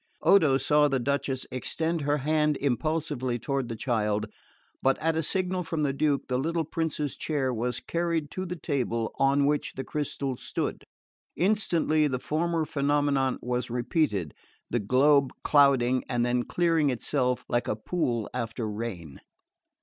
Odo saw the Duchess extend her hand impulsively toward the child; but at a signal from the Duke the little prince's chair was carried to the table on which the crystal stood. Instantly the former phenomenon was repeated, the globe clouding and then clearing itself like a pool after rain.